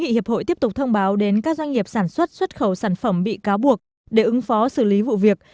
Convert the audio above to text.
hiệp hội tiếp tục thông báo đến các doanh nghiệp sản xuất xuất khẩu sản phẩm bị cáo buộc để ứng phó xử lý vụ việc